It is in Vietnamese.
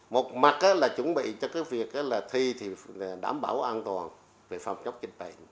một mặt là chuẩn bị cho việc thi thì đảm bảo an toàn về phòng chống dịch tễ